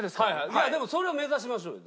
いやでもそれを目指しましょうよ。